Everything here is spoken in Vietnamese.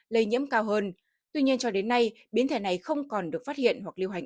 lây nhiễm cao hơn tuy nhiên cho đến nay biến thể này không còn được phát hiện hoặc lưu hành